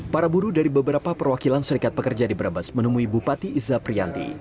para buruh dari beberapa perwakilan serikat pekerja di brebes menemui bupati iza prianti